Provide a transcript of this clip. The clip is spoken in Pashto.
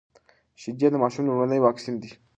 شيدې د ماشوم لومړنی واکسين دی.